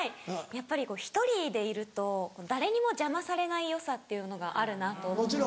やっぱり１人でいると誰にも邪魔されない良さっていうのがあるなと思って。